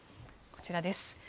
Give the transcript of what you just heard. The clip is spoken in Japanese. こちらです。